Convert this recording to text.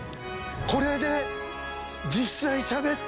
これで。